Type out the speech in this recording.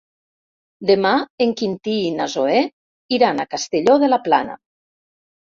Demà en Quintí i na Zoè iran a Castelló de la Plana.